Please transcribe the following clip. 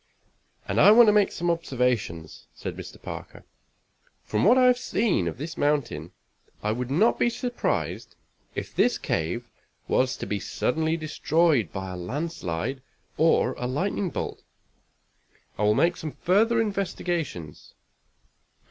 "And I want to make some observations," said Mr. Parker. "From what I have seen of this mountain, I would not be surprised if this cave was to be suddenly destroyed by a landslide or a lightning bolt. I will make some further investigations."